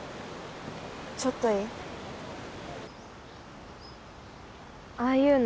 ちょっといい？